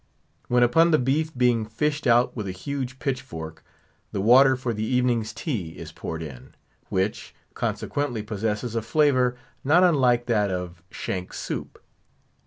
When, upon the beef being fished out with a huge pitch fork, the water for the evening's tea is poured in; which, consequently possesses a flavour not unlike that of shank soup.